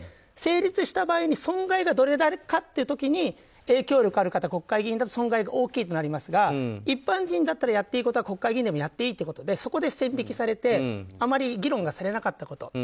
成立した場合に損害がどれだけかという時に影響力がある方、国会議員だと損害が大きいとなりますが一般人だったらやっていいことは国会議員でもやっていいということでそこで線引きされてあまり議論がされなかったこと。